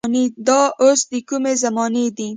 دا اوس د کومې زمانې دي.